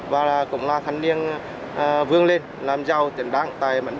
và cũng là thân niên vương lên làm giàu tiền đáng